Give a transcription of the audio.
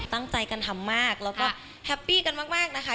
ตั้งใจกันทำมากแล้วก็แฮปปี้กันมากนะคะ